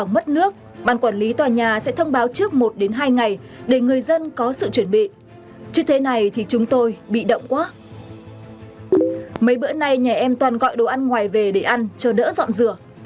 mấy bữa nay nhà em toàn gọi đồ ăn ngoài về để ăn cho đỡ dọn dừa